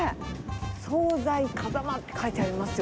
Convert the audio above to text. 惣菜かざまって書いてありますよ。